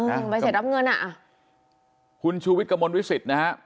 สิ่งใบเสร็จรับเงินอ่ะคุณชูวิทย์กระมวลวิสิตนะฮะ